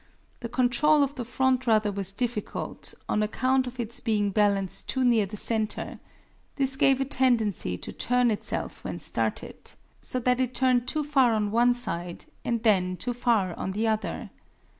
The control of the front rudder was difficult on account of its being balanced too near the center. This gave it a tendency to turn itself when started; so that it turned too far on one side and then too far on the other.